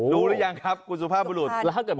ดูหรือยังครับกุศุภาพบุหรุฑ